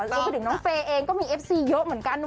รวมไปถึงน้องเฟย์เองก็มีเอฟซีเยอะเหมือนกัน